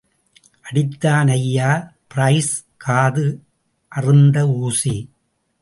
அடித்தான் ஐயா பிரைஸ், காது அறுந்த ஊசி.